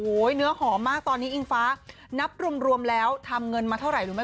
เนื้อหอมมากตอนนี้อิงฟ้านับรวมแล้วทำเงินมาเท่าไหร่รู้ไหม